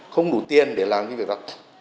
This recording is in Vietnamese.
không đủ tiền để làm cái việc đó